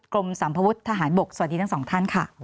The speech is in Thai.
กรมสัมพวุทธ์ทหารบกสวัสดีทั้ง๒ท่านค่ะ